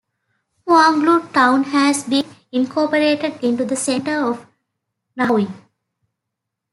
Huanglu Town has been incorporated into the center of Nanhui.